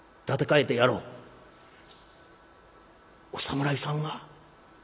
「お侍さんが？」。